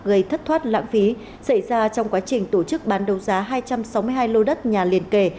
gây thất thoát lãng phí xảy ra trong quá trình tổ chức bán đấu giá hai trăm sáu mươi hai lô đất nhà liền kề